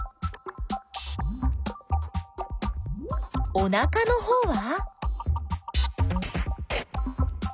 おなかのほうは？